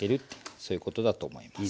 そういうことだと思います。